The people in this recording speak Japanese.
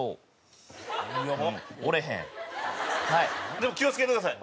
でも気を付けてください。